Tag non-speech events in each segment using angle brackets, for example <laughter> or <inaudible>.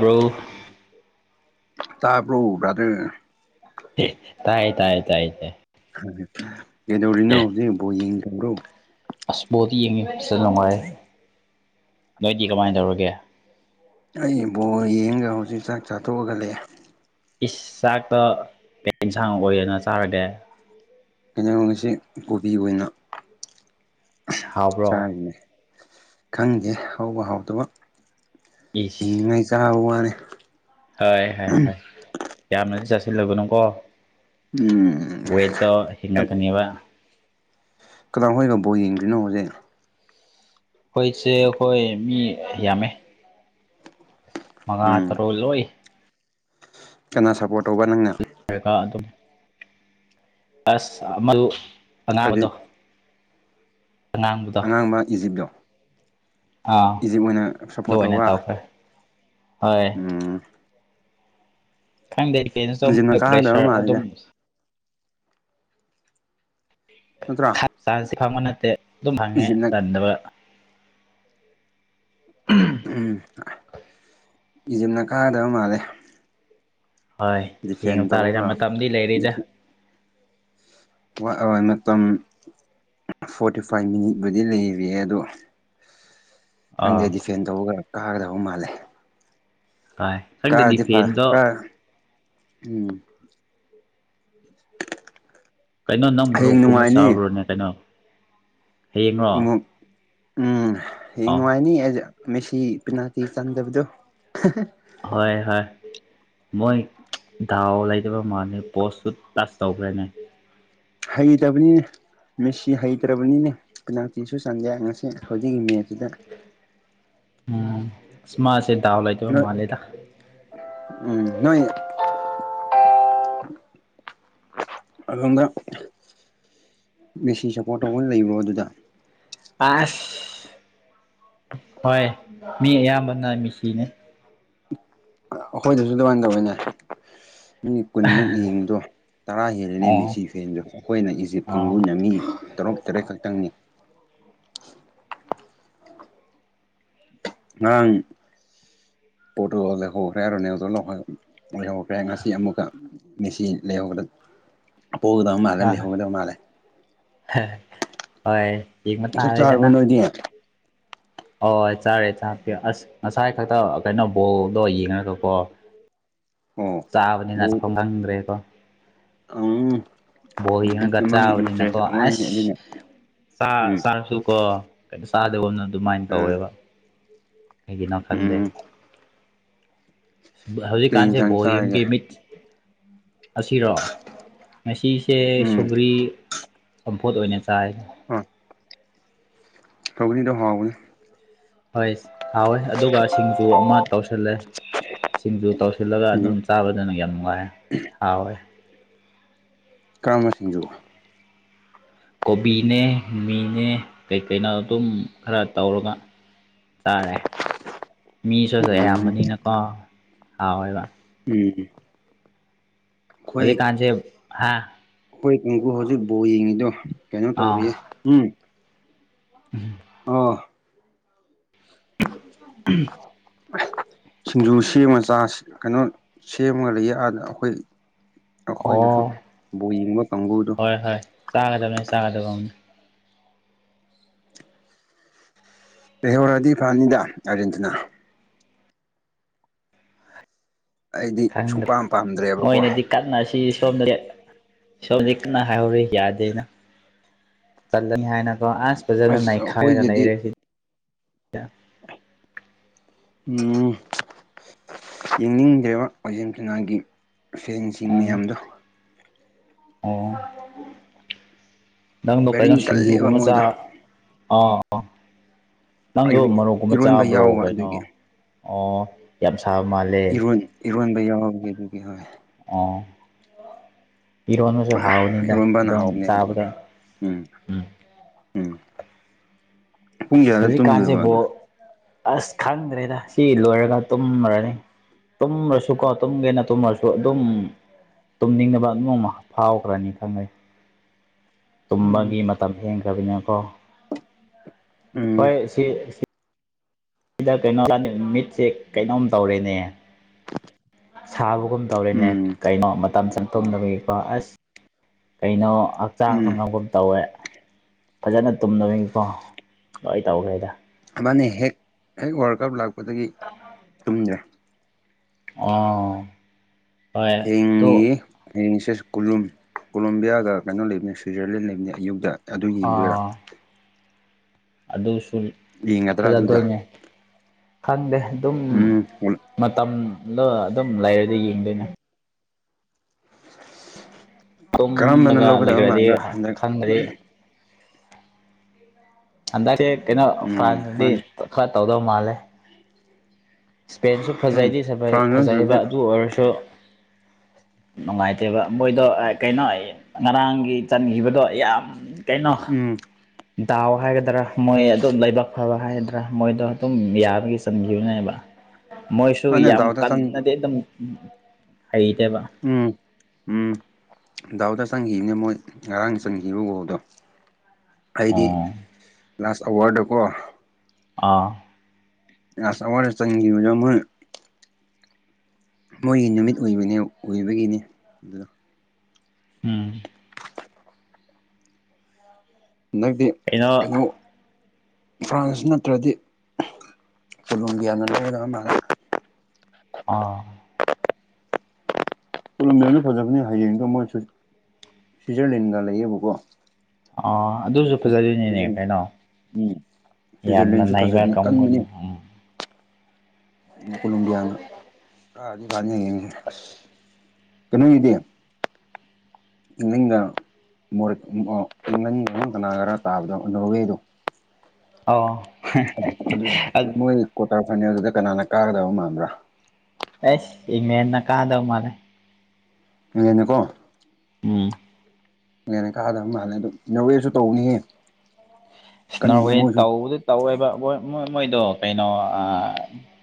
ꯐꯔꯣ ꯇꯥꯕ꯭ꯔꯣ ꯕꯔ꯭꯭ꯥꯗꯔ ꯍꯦ ꯇꯥꯏ ꯇꯥꯏ ꯇꯥꯏ ꯇꯥꯏ ꯀꯗꯧꯔꯤꯅꯣ ꯍꯧꯖꯤꯛ ꯕꯣꯜ ꯌꯦꯡꯗꯕ꯭ꯔꯣ ꯑꯁ ꯕꯣꯜꯗꯤ ꯌꯦꯡꯉꯤ ꯐꯖ ꯅꯨꯡꯉꯥꯏ ꯅꯣꯏꯗꯤ ꯀꯃꯥꯏꯅ ꯇꯧꯔꯒꯦ ꯑꯩ ꯕꯣꯜ ꯌꯦꯡꯒ ꯍꯧꯖꯤꯛ ꯆꯥꯛ ꯆꯥꯊꯣꯛꯑꯒ ꯂꯩꯑꯦ ꯏꯁ ꯆꯥꯛꯇꯣ ꯀꯩ ꯏꯟꯁꯥꯡ ꯎꯝ ꯑꯣꯏꯌꯦꯅ ꯆꯥꯔꯒꯦ <unintelligible> ꯀꯣꯕꯤ ꯑꯣꯏꯅ ꯏꯁ ꯍꯥꯎꯕ꯭ꯔꯣ ꯆꯥꯔꯤꯅꯦ ꯈꯪꯗꯦ ꯍꯥꯎꯕ ꯍꯥꯎꯗꯕ ꯏꯁ ꯍꯤꯡꯅꯤꯡꯉꯥꯏ ꯆꯥꯕ ꯋꯥꯅꯤ <inaudible> ꯍꯣꯏ ꯍꯣꯏ ꯍꯣꯏ ꯌꯥꯝꯅꯗꯤ ꯆꯥꯁꯤꯜꯂꯨꯒꯅꯨꯀꯣ ꯎꯝ ꯋꯦꯠꯇꯣ ꯍꯦꯟꯒꯠꯀꯅꯤꯕ ꯀꯗꯥꯏꯋꯥꯗ ꯕꯣꯜ ꯌꯦꯡꯗ꯭ꯔꯤꯅꯣ ꯍꯧꯖꯤꯛ ꯑꯩꯈꯣꯏꯁꯦ ꯑꯩꯈꯣꯏ ꯃꯤ ꯌꯥꯝꯃꯦ ꯃꯉꯥ ꯎꯝ ꯇꯔꯨꯛ ꯂꯣꯏ ꯀꯅꯥ ꯁꯞꯄꯣꯔꯠ ꯇꯧꯕ ꯅꯪꯅ ꯑꯗꯨꯝ ꯑꯁ ꯑꯃꯜ ꯑꯉꯥꯡꯕꯗꯣ ꯍꯧꯖꯤꯛ ꯑꯉꯥꯡꯕꯗꯣ ꯑꯉꯥꯡꯕ ꯏꯖꯤꯞꯗꯣ ꯑꯥ ꯏꯖꯤꯞ ꯑꯣꯏꯅ ꯑꯗꯨ ꯁꯞꯄꯣꯔꯠ ꯑꯣꯏꯅ ꯇꯧꯕ ꯇꯧꯈ꯭ꯔꯦ ꯍꯣꯏ ꯎꯝ ꯈꯪꯗꯦ ꯀꯩꯅꯣ ꯇꯧ ꯏꯖꯤꯞꯅ ꯃꯣꯏ ꯀꯥꯒꯗꯕ ꯄ꯭ꯔꯦꯁꯔ ꯃꯥꯜꯂꯤꯗ ꯑꯗꯨꯝ ꯅꯠꯇ꯭ꯔ ꯆꯥꯟꯁꯁꯦ ꯐꯪꯕ ꯅꯠꯇꯦ ꯑꯗꯨꯝ ꯐꯪꯉꯦ ꯆꯟꯗꯕ ꯎꯝ ꯏꯖꯤꯞꯅ ꯀꯥꯒꯗꯕ ꯃꯥꯜꯂꯦ ꯍꯣꯏ ꯌꯦꯡꯕ ꯗꯤꯐꯦꯟ ꯇꯥꯔꯦꯗ ꯇꯧꯔꯒ ꯃꯇꯝꯗꯤ ꯂꯩꯔꯤꯗ ꯋꯥ ꯃꯇꯝ ꯐꯣꯔꯇꯤ ꯐꯥꯏꯚ ꯃꯤꯅꯤꯠꯕꯨꯗꯤ ꯂꯩꯔꯤꯌꯦ ꯑꯗꯣ ꯑꯥ ꯈꯪꯗꯦ ꯗꯤꯐꯦꯟ ꯇꯧꯕꯔꯒ ꯀꯥꯒꯗꯕ ꯃꯥꯜꯂꯦ ꯍꯣꯏ ꯈꯪꯗꯦ ꯀꯥꯗꯤ ꯗꯤꯐꯦꯟꯗꯣ ꯐꯅꯤꯀꯥ ꯎꯝ ꯀꯩꯅꯣ ꯅꯪ ꯃꯣꯔꯣꯛ ꯍꯌꯦꯡ ꯀꯨꯝꯅ ꯅꯨꯡꯉꯥꯏꯅꯤ ꯆꯥꯕ꯭ꯔꯣꯅꯦ ꯀꯩꯅꯣ ꯍꯌꯦꯡꯔꯣ ꯑꯃꯨꯛ ꯎꯝ ꯍꯌꯦꯡ ꯑꯥ ꯅꯨꯡꯉꯥꯏꯅꯤ ꯍꯥꯏꯖꯦ ꯃꯦꯁꯤ ꯄꯦꯅꯥꯜꯇꯤ ꯆꯟꯗꯕꯗꯣ ꯍꯣꯏ ꯍꯣꯏ ꯃꯣꯏ ꯗꯥꯎ ꯂꯩꯗꯕ ꯃꯥꯜꯂꯦ ꯄꯣꯁꯁꯨ ꯇꯁ ꯇꯧꯈ꯭ꯔꯦꯅꯦ ꯍꯩꯇꯕꯅꯤꯅꯦ ꯃꯦꯠꯁꯤ ꯍꯩꯇ꯭ꯔꯕꯅꯤꯅꯦ ꯄꯦꯅꯥꯜꯇꯤꯁꯨ ꯆꯟꯗꯦ ꯉꯁꯤ ꯍꯧꯖꯤꯛꯀꯤ ꯃꯦꯠꯁꯤꯗ ꯎꯝ ꯑꯁ ꯃ <unintelligible> ꯎꯝ ꯅꯣꯏ ꯑꯗꯣꯝꯗ ꯃꯦꯁꯤ ꯁꯞꯄꯣꯔꯠ ꯇꯧꯕ ꯂꯩꯕ꯭ꯔꯣ ꯑꯗꯨꯗ ꯑꯁ ꯍꯣꯏ ꯃꯤ ꯑꯌꯥꯝꯕꯅ ꯃꯤꯁꯤꯅꯦ ꯑꯩꯈꯣꯏꯗꯁꯨ ꯑꯗꯨꯃꯥꯏ ꯇꯧꯋꯦꯅꯦ ꯃꯤ ꯀꯨꯟꯃꯨꯛ ꯌꯦꯡꯕꯗꯣ ꯇꯔꯥ ꯍꯦꯜꯂꯅꯦ ꯑꯣ ꯃꯦꯁꯤ ꯐꯦꯟꯗꯣ ꯑꯩꯈꯣꯏꯅ ꯏꯖꯤꯞ ꯑꯣ ꯀꯥꯡꯕꯨꯨꯅ ꯃꯤ ꯇꯔꯨꯛ ꯇꯔꯦꯠ ꯈꯛꯇꯪꯅꯤ ꯅꯪ ꯄꯣꯔꯇꯨꯒꯜ ꯅ ꯍꯣꯈ꯭ꯔꯦ ꯍꯥꯏꯔ ꯔꯣꯅꯦꯜꯗꯣꯅ ꯍꯣ ꯂꯩꯍꯧꯈ꯭ꯔꯦ ꯉꯁꯤ ꯑꯃꯨꯛꯀ ꯃꯦꯁꯤ ꯂꯩꯍꯧꯕꯗ ꯄꯣꯒꯗꯕ ꯃꯥꯜꯂꯦ ꯍꯣꯏ ꯂꯩꯍꯧꯒꯗꯕ ꯃꯥꯜꯂꯦ ꯍꯣꯏ ꯆꯥꯛ ꯆꯥꯔꯕꯣ ꯌꯦꯡꯕꯇꯥꯔꯦꯗꯅ ꯅꯣꯏꯗꯤ ꯍꯣꯏ ꯆꯥꯔꯦ ꯆꯥꯛꯇꯤ ꯑꯁ ꯉꯁꯥꯏ ꯈꯛꯇ ꯀꯩꯅꯣ ꯕꯣꯜꯗꯣ ꯌꯦꯡꯉꯒꯀꯣ ꯑꯣ ꯆꯥꯕꯅꯤꯅ ꯆꯐꯝ ꯈꯪꯗ꯭ꯔꯦꯕ ꯑꯨꯝ ꯕꯣꯜ ꯌꯦꯡꯉꯒ ꯆꯥꯕꯅꯤꯅꯀꯣ ꯑꯦꯁ ꯑꯃꯅꯤ ꯑꯗꯨꯅ ꯆꯥ ꯎꯝ ꯆꯥꯔꯁꯨ ꯀꯣ ꯀꯩꯅꯣ ꯆꯥꯗꯕꯅ ꯑꯗꯨꯃꯥꯏꯅ ꯎꯝ ꯇꯧꯋꯦꯕ ꯀꯩꯒꯤꯅꯣ ꯈꯪꯗꯦ ꯎꯝ ꯀꯩ ꯍꯧꯖꯤꯛꯀꯥꯟꯁꯦ ꯏꯟꯁꯥꯡ ꯕꯣꯜ ꯆꯥꯔꯒꯦ ꯌꯦꯡꯕꯩ ꯃꯤꯠ ꯑꯁꯤꯔꯣ ꯉꯁꯤꯁꯦ ꯎꯝ ꯁꯨꯒ꯭ꯔꯤ ꯆꯝꯐꯨꯠ ꯑꯣꯏꯅ ꯆꯥꯏ ꯎꯝ ꯁꯧꯒ꯭ꯔꯤꯗꯣ ꯍꯥꯎꯕꯅꯦ ꯍꯣꯏ ꯍꯥꯎꯋꯦ ꯑꯗꯨꯒ ꯁꯤꯡꯖꯨ ꯑꯃ ꯇꯧꯁꯜꯂꯦ ꯁꯤꯡꯖꯨ ꯇꯧꯁꯤꯜꯂꯒ ꯁꯤꯡꯖꯨ ꯑꯗꯨꯝ ꯆꯥꯕꯗꯅ ꯌꯥꯝ ꯅꯨꯡꯉꯥꯏ ꯍꯥꯎꯋꯦ ꯀꯔꯝꯕ ꯁꯤꯡꯖꯨ ꯀꯣꯕꯤꯅꯦ ꯃꯤꯅꯦ ꯀꯩꯀꯩꯅꯣ ꯑꯗꯨꯝ ꯈꯔ ꯇꯧꯔꯒ ꯆꯥꯔꯦ ꯃꯤꯁꯨꯁꯨ ꯎꯝ ꯎꯝ ꯑꯌꯥꯝꯕꯅꯤꯅꯀꯣ ꯍꯥꯎꯋꯦꯕ ꯎꯝ ꯎꯝ ꯍꯧꯖꯤꯛꯀꯥꯟꯁꯦ ꯍꯥꯥ ꯑꯩꯈꯣꯏ ꯀꯥꯡꯀꯨ ꯍꯧꯖꯤꯛ ꯕꯣꯜ ꯌꯦꯡꯉꯤꯗꯣ ꯀꯩꯅꯣ ꯇꯧꯔꯤꯌꯦ ꯎꯝ ꯎꯝ ꯑꯣ <unintelligible> ꯁꯤꯡꯖꯨ ꯁꯦꯝꯃ ꯆꯥꯁꯤ ꯀꯩꯅꯣ ꯁꯦꯝꯃꯒ ꯂꯩꯌꯦꯑꯗ ꯑꯩꯈꯣꯏꯗ ꯑꯣ ꯀꯥꯡꯕꯨꯗꯣ ꯍꯣꯏ ꯍꯣꯏ ꯆꯥꯒꯗꯕꯅꯦ ꯆꯥꯒꯗꯕ ꯑꯅꯦ ꯂꯩꯍꯧꯔꯗꯤ ꯐꯅꯤꯗ ꯑꯥꯔꯖꯦꯟꯇꯤꯅꯥ ꯑꯩꯗꯤ ꯈꯗ ꯁꯨꯡꯄꯥꯝ ꯄꯥꯝꯗ꯭ꯔꯦꯕꯀꯣ ꯃꯣꯏꯅꯗꯤ ꯀꯟꯅꯁꯤ ꯁꯣꯝꯗꯗꯤ ꯁꯣꯝꯗꯤ ꯀꯟꯅ ꯍꯥꯏꯍꯧꯔꯤ ꯌꯥꯗꯦꯅ ꯇꯜꯂꯅꯤ ꯍꯥꯏꯅ ꯑꯣ ꯑꯁ ꯐꯖꯅ ꯅꯥꯏꯈꯥꯏꯔꯒ ꯂꯩꯔꯁꯤ ꯎꯝ ꯌꯦꯡꯅꯤꯡꯗꯦꯕ ꯑꯥꯔꯖꯦꯟꯇꯤꯅꯥꯒꯤ ꯐꯦꯟꯁꯤꯡ ꯎꯝ ꯃꯌꯥꯝꯗꯣ ꯑꯣ ꯅꯪꯗꯣ ꯀꯩꯅꯣ ꯕꯦꯔꯤꯡ ꯀꯜꯂꯦꯕ ꯁꯤꯡꯖꯨꯒꯨꯝꯕ ꯆꯥ ꯃꯣꯏꯗꯣ ꯑꯥ ꯅꯪꯗꯣ ꯑꯩꯗꯤ ꯃꯔꯣꯛꯀꯨꯝꯕ ꯏꯔꯣꯟꯕ ꯆꯥꯕ꯭ꯔꯣ ꯌꯥꯎꯕ ꯀꯩꯅꯣ ꯑꯗꯨꯒꯤ ꯑꯣ ꯌꯥꯝ ꯁꯥꯕ ꯃꯥꯜꯂꯦ ꯑꯔꯣꯟꯕ ꯌꯥꯎꯕꯒꯤ ꯑꯗꯨꯒꯤ ꯍꯣꯏ ꯑꯣ ꯏꯔꯣꯟꯕꯁꯨ ꯍꯥꯎꯕꯅꯤꯗ ꯏꯔꯣꯟꯕꯅ ꯑꯗꯨꯝ ꯍꯥꯎꯕꯅꯦ ꯑꯗꯨꯒꯤ ꯆꯥꯕꯗ ꯎꯝ ꯎꯝ ꯄꯨꯡ ꯑꯁ ꯀꯌꯥꯗ ꯍꯧꯗꯤꯛ ꯀꯥꯟꯖꯦ ꯇꯨꯝꯗꯣꯏꯕ ꯑꯗꯣ ꯕꯣꯜ ꯑꯁ ꯈꯪꯗ꯭ꯔꯦꯗ ꯁꯤ ꯂꯣꯏꯔꯒ ꯇꯨꯝꯃꯨꯔꯅꯤ ꯇꯨꯝꯃꯁꯨ ꯀꯣ ꯇꯨꯝꯒꯦꯅ ꯇꯨꯝꯃꯁꯨ ꯑꯗꯨꯝ ꯇꯨꯝꯅꯤꯡꯅꯕ <unintelligible> ꯐꯥꯎꯈ꯭ꯔꯅꯤ ꯈꯪꯅꯩ ꯎꯝ ꯇꯨꯝꯕꯒꯤ ꯃꯇꯝ ꯍꯦꯟꯈ꯭ꯔꯕꯤꯅꯦꯀꯣ ꯎꯝ ꯍꯣꯏ ꯁꯤ ꯗ ꯀꯩꯅꯣ ꯃꯤꯠꯁꯦ ꯀꯩꯅꯣꯝ ꯇꯧꯔꯦꯅꯦ ꯁꯥꯕꯒꯨꯝ ꯇꯧꯔꯦꯅꯦ ꯎꯝ ꯀꯩꯅꯣ ꯃꯇꯝ ꯆꯪꯊꯣꯡꯅꯕꯒꯤ ꯀꯣ ꯑꯁ ꯀꯩꯅꯣ ꯍꯛꯆꯥꯡ ꯎꯝ ꯐꯅꯐꯝ ꯇꯧꯋꯦ ꯐꯖꯅ ꯇꯨꯝꯗꯕꯒꯤꯀꯣ ꯂꯣꯏ ꯇꯧꯔꯦꯗ ꯃꯟꯅꯦ ꯍꯦꯛ ꯍꯦꯛ ꯋꯥꯔꯜ ꯀꯞ ꯂꯥꯛꯄꯗꯒꯤ ꯇꯨꯝꯗ꯭ꯔꯦ ꯑꯣ ꯍꯣꯏ ꯑꯗꯨ ꯌꯦꯡꯒꯦ ꯍꯌꯦꯡꯁꯦ ꯁꯦ ꯀꯣꯂꯣꯝ ꯀꯣꯂꯣꯝꯕꯤꯌꯥꯒ ꯀꯩꯅꯣ ꯂꯩꯕꯅꯤ ꯁ꯭ꯋꯤꯖꯔꯂꯦꯟ ꯂꯩꯕꯅꯦ ꯑꯌꯨꯛꯇ ꯑꯗꯨ ꯌꯦꯡꯗꯣꯏꯔꯥ ꯑꯥ ꯑꯗꯨꯁꯨ ꯌꯦꯡꯒꯗ꯭ꯔꯥ ꯑꯗꯨꯗ ꯐꯖꯗꯣꯏꯅꯦ ꯈꯪꯗꯦ ꯑꯗꯨꯝ ꯎꯝ ꯃꯇꯝꯗꯣ ꯑꯗꯨꯝ ꯂꯩꯔꯗꯤ ꯌꯦꯡꯗꯣꯏꯅꯦ ꯀꯔꯝꯕꯅ ꯇꯨꯝꯂꯒ ꯂꯧꯒꯗꯕ ꯂꯩꯒ꯭ꯔꯗꯤ ꯃꯥꯟꯕ꯭ꯔꯥ ꯍꯟꯗꯛ ꯈꯪꯗ꯭ꯔꯤ ꯑꯗꯛꯇꯤ ꯀꯩꯅꯣ ꯎꯝ ꯐ꯭ꯔꯥꯟꯁꯗꯤ ꯃꯥꯅꯦ ꯈꯔꯥ ꯇꯧꯗꯧ ꯃꯥꯜꯂꯦ ꯁ꯭ꯄꯦꯟꯁꯨ ꯎꯝ ꯐꯖꯩꯗꯤ ꯐ꯭ꯔꯥꯟꯁ ꯅꯠꯇ꯭ꯔꯗꯤ ꯐꯖꯩꯕ ꯑꯗꯨ ꯑꯣꯏꯔꯁꯨ <inaudible> ꯅꯨꯡꯉꯥꯏꯇꯦꯕ ꯃꯣꯏꯗꯣ ꯀꯩꯅꯣ ꯉꯔꯥꯡꯒꯤ ꯆꯟꯈꯤꯕꯗꯣ ꯌꯥꯝ ꯀꯩꯅꯣ ꯎꯝ ꯗꯎ ꯍꯥꯏꯒꯗ꯭ꯔꯥ ꯃꯣꯏ ꯑꯗꯨ ꯂꯥꯏꯕꯛ ꯐꯕ ꯍꯥꯏꯒꯗ꯭ꯔꯥ ꯃꯣꯏꯗꯣ ꯑꯗꯨꯝ ꯌꯥꯕꯒꯤ ꯆꯟꯈꯤꯕꯅꯦꯕ ꯃꯣꯏꯁꯨ ꯃꯥꯅꯦ ꯌꯥꯝ ꯗꯥꯎꯗ ꯆꯪ ꯀꯟꯅꯗꯤ ꯑꯗꯨꯝ ꯍꯩꯇꯦꯕ ꯎꯝ ꯎꯝ ꯗꯥꯎꯗ ꯆꯪꯈꯤꯕꯅꯦ ꯃꯣꯏ ꯉꯔꯥꯡ ꯆꯟꯈꯤꯕ ꯒꯣꯜꯗꯣ ꯑꯩꯗꯤ ꯑꯣ ꯂꯥꯁ ꯑꯋꯥꯔꯗꯀꯣ ꯑꯥ ꯂꯥꯁ ꯑꯋꯥꯔ ꯆꯟꯒꯤꯕꯗꯣ ꯃꯣꯏ ꯃꯣꯏꯒꯤ ꯅꯨꯃꯤꯠ ꯑꯣꯏꯕꯅꯦ ꯑꯣꯏꯕꯒꯤꯅꯤ ꯑꯗꯨꯗ ꯎꯝ ꯍꯟꯗꯛꯗꯤ ꯀꯩꯅꯣ ꯐ꯭ꯔꯥꯟꯁ ꯅꯠꯇ꯭ꯔꯗꯤ ꯁꯂꯣꯡꯕꯤꯌꯥꯅ ꯂꯩꯒ ꯑꯃꯅ ꯑꯥ ꯄꯂꯝꯕꯤꯌꯥꯅ ꯐꯖꯕꯅꯤ ꯍꯌꯦꯡꯗꯣ ꯃꯣꯏ ꯁꯤ ꯁ꯭ꯋꯤꯠꯖꯔꯂꯦꯟꯒ ꯂꯩꯌꯦꯕꯀꯣ ꯑꯥ ꯑꯗꯨꯁꯨ ꯁꯤꯖ ꯐꯖꯗꯣꯏꯅꯤꯅꯦ ꯎꯝ ꯀꯩꯅꯣ <unintelligible> ꯌꯥꯝꯅ ꯁ꯭ꯋꯤꯠꯖꯔꯂꯦꯟꯁꯨ ꯅꯩꯕ ꯐꯖꯕꯅꯤ ꯀꯟꯕꯅꯤ ꯀꯥꯡꯕꯨꯅꯤ ꯎꯝ ꯑꯣ ꯀꯂꯝꯕꯤꯌꯥꯅ ꯀꯥꯗꯤ ꯀꯅꯤꯡꯂꯤꯕꯅꯤ ꯀꯩꯅꯣꯒꯤꯗꯤ ꯏꯪꯂꯦꯟꯒ ꯅꯪ ꯑꯃ ꯀꯅꯥꯒꯔ ꯇꯥꯕꯗꯣ ꯅꯣꯔꯋꯦꯗꯣ ꯑꯧ ꯃꯣꯏ ꯀꯣꯇꯔ ꯐꯥꯏꯅꯦꯜ ꯑꯗꯨꯗ ꯀꯅꯥꯅ ꯀꯥꯒꯗꯕ ꯃꯥꯟꯕ꯭ꯔꯥ ꯑꯁ ꯏꯪꯂꯦꯟꯅ ꯀꯥꯗꯧ ꯃꯥꯜꯂꯦ ꯏꯪꯂꯦꯟꯅꯀꯣ ꯎꯝ ꯏꯪꯂꯦꯟꯅ ꯀꯥꯒꯗ ꯃꯥꯜꯂꯦ ꯑꯗꯨ ꯅꯧꯋꯦꯁꯨ ꯇꯧꯅꯤꯍꯦ ꯅꯣꯔꯋꯦ ꯇꯧꯕꯗꯤ ꯇꯧꯋꯦꯕ ꯑꯣꯏ ꯃꯣꯏꯗꯣ ꯀꯩꯅꯣ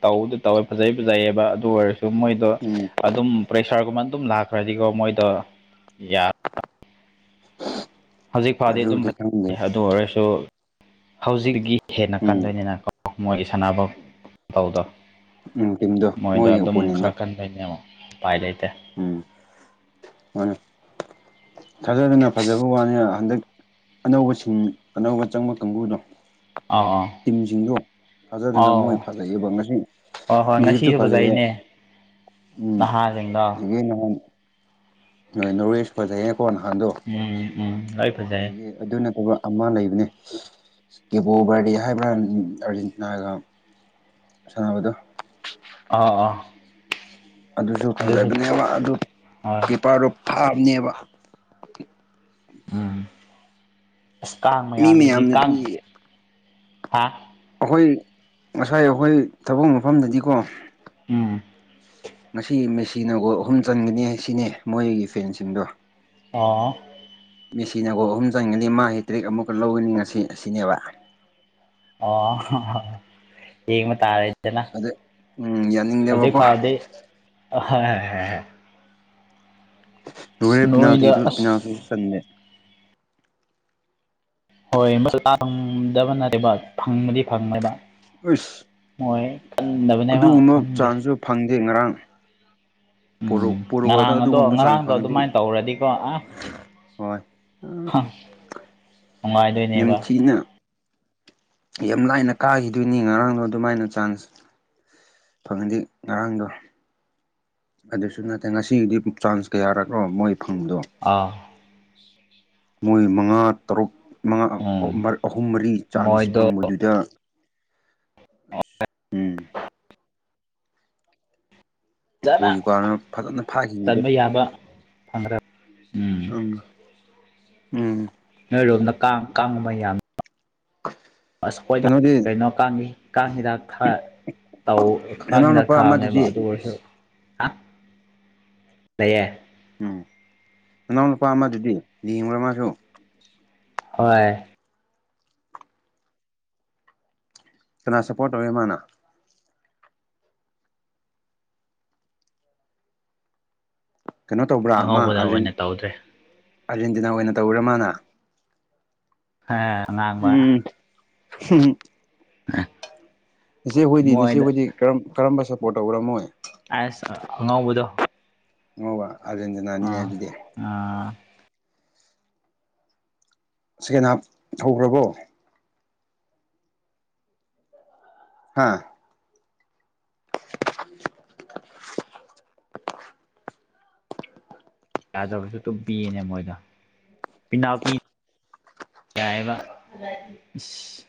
ꯇꯧꯗꯤ ꯇꯧꯋꯦ ꯐꯖꯩ ꯐꯖꯩꯑꯕ ꯑꯗꯨ ꯑꯣꯏꯔꯁꯨ ꯑꯗꯨ ꯃꯣꯏꯗꯣ ꯎꯝ ꯑꯗꯨꯝ ꯄ꯭ꯔꯦꯁꯥꯔꯒꯨꯝꯕ ꯑꯗꯨꯝ ꯂꯥꯛꯈ꯭ꯔꯗꯤꯀꯣ ꯃꯣꯏꯗꯣ ꯍꯧꯖꯤꯛ ꯐꯥꯗꯤ ꯑꯗꯨꯝ ꯑꯗꯨꯕꯨꯗꯤ ꯈꯪꯗꯦ ꯐꯩ ꯑꯗꯨ ꯑꯣꯏꯔꯁꯨ ꯍꯧꯖꯤꯛꯀꯤ ꯍꯦꯟꯅ ꯎꯝ ꯀꯟꯗꯣꯏꯅꯤꯅ ꯀꯣ ꯃꯣꯏ ꯁꯥꯟꯅꯕ ꯃꯇꯧꯗꯣ ꯎꯝ ꯇꯤꯝꯗꯣ ꯃꯣꯏꯗꯣ ꯃꯣꯏꯒꯤ ꯑꯗꯨꯝ ꯑꯣꯄꯣꯅꯦꯟꯗꯣ ꯈꯔ ꯀꯟꯒꯅꯦ ꯎꯄꯥꯏ ꯂꯩ ꯎꯝ ꯃꯥꯟꯅꯦ ꯊꯥꯖꯗꯅ ꯐꯖꯕ ꯋꯥꯅꯤ ꯍꯟꯗꯛ ꯑꯅꯧꯕ ꯁꯤꯡ ꯑꯅꯧꯕ ꯆꯪꯕ ꯀꯥꯡꯕꯨꯗꯣ ꯑꯥ ꯑꯥ ꯇꯤꯝꯁꯤꯡꯗꯣ ꯊꯥꯖꯗꯅ ꯑꯥꯎ ꯃꯣꯏ ꯐꯖꯩꯌꯦꯕ ꯉꯁꯤ ꯍꯣꯏ ꯍꯣꯏ ꯏꯖꯤꯞꯁꯨ ꯉꯁꯤꯁꯨ ꯐꯖꯩꯌꯦ ꯐꯖꯩꯅꯦ ꯎꯝ ꯅꯍꯥꯁꯤꯡꯗꯣ ꯅꯣꯔꯋꯦꯁꯨ ꯐꯖꯩꯌꯦ ꯎꯝ ꯎꯝ ꯂꯣꯏ ꯐꯖꯩ ꯑꯗꯒꯤ ꯑꯗꯨ ꯅꯠꯇꯕ ꯑꯃ ꯂꯩꯕꯅꯦ ꯀꯦꯕꯣ ꯕꯔꯗꯤ ꯍꯥꯏꯕ꯭ꯔꯥ ꯑꯥꯔꯖꯦꯟꯇꯤꯅꯥꯒ ꯁꯥꯟꯅꯕꯗꯨ ꯑꯥ ꯑꯥ ꯑꯗꯨꯁꯨ ꯐꯖꯕꯅꯦꯕ ꯑꯗꯨ ꯍꯣꯏ ꯀꯤꯄꯥꯔꯣꯞ ꯊꯥꯕꯅꯦꯕ ꯎꯝ ꯑꯁ ꯀꯥꯡ ꯃꯤ ꯃꯌꯥꯝꯁꯤꯗꯤ ꯀꯥꯡ ꯃꯌꯥꯝꯅꯗꯤ ꯑꯩꯈꯣꯏ ꯉꯁꯥꯏ ꯑꯩꯈꯣꯏ ꯊꯕꯛ ꯃꯐꯝꯗꯗꯤꯀꯣ ꯎꯝ ꯉꯁꯤ ꯃꯦꯁꯤꯅ ꯒꯣꯜ ꯑꯍꯨꯝ ꯆꯟꯒꯅꯤ ꯁꯤꯅꯦ ꯃꯣꯏꯒꯤ ꯐꯦꯟꯁꯤꯡꯗꯣ ꯑꯣ ꯃꯦꯁꯤꯅ ꯒꯣꯜ ꯑꯍꯨꯝ ꯆꯟꯒꯅꯤ ꯃꯥꯒꯤ ꯇ꯭ꯔꯤꯛ ꯑꯃꯨꯛꯀ ꯂꯧꯒꯅꯤ ꯉꯁꯤ ꯑꯁꯤꯅꯦꯕ ꯑꯣ ꯍꯣꯍꯣ ꯌꯦꯡꯕ ꯇꯥꯔꯦ ꯗꯅ ꯑꯗ ꯎꯝ ꯍꯧꯖꯤꯛ ꯌꯥꯅꯤꯡꯗꯦꯕꯀꯣ ꯐꯥꯎꯗꯤ ꯑꯍꯣꯍꯦꯍꯦꯍꯦ ꯂꯣꯢꯔꯦ ꯄꯤꯅꯥꯜꯇꯤꯗꯨ ꯑꯁ ꯄꯤꯅꯥꯜꯇꯤꯁꯨ ꯆꯟꯗꯦ INAUDIBLE ꯎꯢꯁ ꯑꯗꯨꯒꯨꯝꯕ ꯈꯪꯗꯦ ꯆꯥꯟꯖꯖꯨ ꯐꯪꯗꯦ ꯉꯔꯥꯡ ꯄꯣꯔꯣ ꯎꯝ ꯄꯣꯔꯣꯗ ꯉꯔꯥꯡ ꯑꯗꯣ ꯑꯗꯨꯒꯨꯝꯕ ꯆꯥꯟꯖ ꯉꯔꯥꯡꯗꯣ ꯐꯪꯉꯗꯤ ꯑꯗꯨꯃꯥꯏꯅ ꯇꯧꯔꯗꯤꯀꯣ ꯑꯁ ꯍꯣꯏ ꯎꯝ ꯅꯨꯡꯉꯥꯏꯗꯣꯏꯅꯦꯕ ꯌꯥꯝꯝꯊꯤꯅ ꯌꯥꯝ ꯂꯥꯏꯅ ꯀꯥꯈꯤꯗꯣꯏꯅꯤ ꯉꯔꯥꯡꯗꯣ ꯑꯗꯨꯃꯥꯏꯅ ꯆꯥꯟꯖ ꯐꯪꯉꯗꯤ ꯉꯔꯥꯡꯗꯣ ꯑꯗꯨꯖꯨ ꯅꯠꯇꯦ ꯉꯁꯤꯒꯤꯗꯤ ꯆꯥꯟꯖ ꯀꯌꯥꯔꯛꯔꯣ ꯃꯣꯏ ꯐꯪꯕꯗꯣ ꯑꯥ ꯃꯣꯏꯅ ꯃꯉꯥ- ꯇꯔꯨꯛ ꯃꯉꯥ ꯎꯝ ꯑꯍꯨꯝ ꯃꯔꯤ ꯆꯥꯟꯖ ꯃꯣꯏꯗꯣ ꯐꯪꯕꯗꯨꯗ INAUDIBLE ꯐꯖꯅ ꯒꯣꯜ ꯀꯤꯄꯔꯅ ꯐꯖꯅ ꯐꯥꯈꯤꯕꯗꯣ ꯆꯟꯕ ꯌꯥꯕ ꯐꯪꯒ꯭ꯔ INAUDIBLE ꯎꯝ ꯎꯝ INAUDIBLE ꯑꯥꯁ ꯑꯩꯈꯣꯏꯗꯤ ꯀꯩꯅꯣꯗꯤ ꯀꯩꯅꯣ ꯀꯥꯡꯉꯤ ꯀꯥꯡ ꯍꯤꯗꯥꯛ ꯊꯥ ꯇꯧ ꯀꯥꯡ ꯅꯅꯥꯎ ꯍꯤꯗꯥꯛ ꯅꯨꯄꯥ ꯊꯥꯕꯅꯦꯕ ꯑꯃꯗꯨꯗꯤ ꯑꯗꯨ ꯑꯣꯏꯔꯖꯨ ꯑꯥ ꯗꯩꯌꯦ ꯑꯪ ꯅꯅꯥꯎꯅꯨꯄꯥ ꯑꯃꯗꯨꯗꯤ ꯌꯦꯡꯕ꯭ꯔꯥ ꯃꯥꯁꯨ ꯍꯣꯏꯌꯦ ꯀꯅꯥ ꯁꯞꯄꯣꯔꯠ ꯇꯧꯋꯦ ꯃꯥꯅ ꯀꯩꯅꯣ ꯇꯧꯕ꯭ꯔꯥ ꯑꯃ ꯑꯉꯧꯕꯗ ꯑꯥꯔꯖꯦꯟ ꯑꯣꯏꯅ ꯇꯧꯗ꯭ꯔꯦ ꯑꯥꯔꯖꯦꯟꯇꯤꯅꯥ ꯑꯣꯏꯅ ꯇꯧꯔꯤꯔꯥ ꯃꯥꯅ ꯑꯥ ꯑꯉꯥꯡꯕ INAUDIBLE INAUDIBLE ꯏꯆꯦ ꯍꯣꯏꯗꯤ ꯅꯆꯦ ꯍꯣꯏꯗꯤ ꯀꯔꯝ ꯀꯔꯝꯕ ꯁꯞꯄꯣꯔꯠ ꯇꯧꯕ꯭ꯔꯥ ꯃꯣꯏ ꯑꯩꯁ ꯑꯉꯧꯕꯗꯣ ꯑꯉꯧꯕ ꯑꯥꯔꯖꯦꯟꯇꯤꯅꯥꯅꯤꯅꯦ ꯑꯥ ꯑꯗꯨꯗꯤ ꯑꯥ ꯁꯦꯀꯦꯟ ꯍꯥꯞ ꯍꯧꯈ꯭ꯔꯕꯣ ꯍꯥꯥ INAUDIBLE ꯌꯥꯗ꯭ꯔꯕꯖꯨ ꯗꯨꯝ ꯄꯤꯌꯦꯅꯦ ꯃꯣꯏꯗ ꯄꯤꯅꯥꯜꯇꯤ ꯌꯥꯏꯌꯦꯕ ꯢꯁ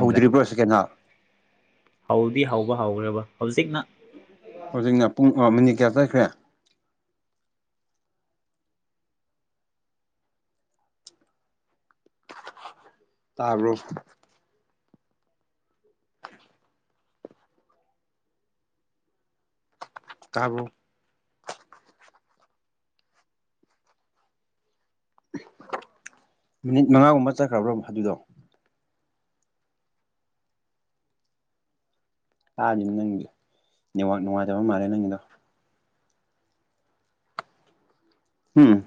ꯍꯧꯗ꯭ꯔꯤꯕ꯭ꯔꯣ ꯁꯤꯀꯦꯟ ꯍꯥꯞ ꯍꯧꯗꯤ ꯍꯧꯕ ꯍꯧꯈ꯭ꯔꯕ ꯍꯧꯖꯤꯛꯅ ꯍꯧꯖꯤꯛꯅ ꯃꯤꯅꯤꯠ ꯀꯌꯥ ꯆꯠꯈ꯭ꯔꯦ ꯇꯥꯕ꯭ꯔꯣ ꯇꯥꯕ꯭ꯔꯣ ꯃꯤꯅꯤꯠ ꯃꯉꯥꯒꯨꯝꯕ ꯆꯠꯈ꯭ꯔꯕ꯭ꯔꯣ ꯑꯗꯨꯗꯣ ꯇꯥꯗꯦꯅꯦ ꯅꯪꯒꯤꯗꯣ ꯅꯦꯠꯋꯥꯛ ꯅꯨꯡꯉꯥꯏꯇꯕ ꯃꯥꯜꯂꯦ ꯅꯪꯒꯤꯗꯣ ꯍꯨꯡ